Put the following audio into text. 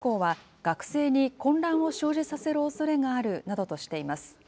急激なルール変更は、学生に混乱を生じさせるおそれがあるなどとしています。